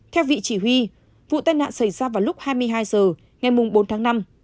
theo vị chỉ huy vụ tai nạn xảy ra vào lúc hai mươi hai h ngày bốn tháng năm